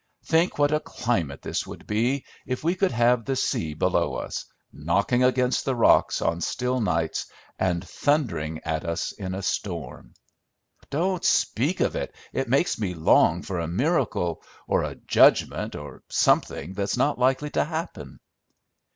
Think what a climate this would be, if we could have the sea below us, knocking against the rocks on still nights, and thundering at us in a storm!" "Don't speak of it! It makes me long for a miracle, or a judgment, or something that's not likely to happen."